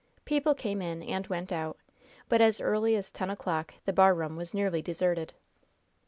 People came in and went out, but as early as ten o'clock the barroom was nearly deserted.